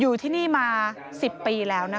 อยู่ที่นี่มา๑๐ปีแล้วนะคะ